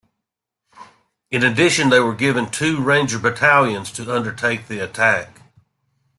In addition they were given two Ranger battalions to undertake the attack.